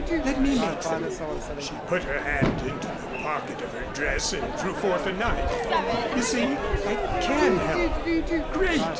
"Let me make them;" she put her hand into the pocket of her dress and drew forth a knife. "You see I can help." "Great!"